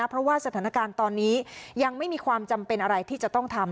เพราะว่าสถานการณ์ตอนนี้ยังไม่มีความจำเป็นอะไรที่จะต้องทำ